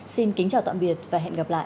xin kính chào tạm biệt và hẹn gặp lại